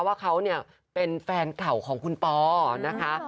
ว่าเขาเป็นแฟนเข่าของคุณปอนะคะ